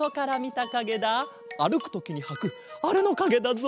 あるくときにはくあれのかげだぞ。